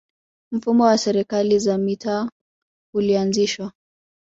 mfumo wa serikali za mitaa ulianzishwa